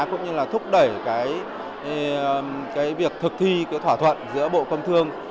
cũng như là thúc đẩy cái việc thực thi cái thỏa thuận giữa bộ công thương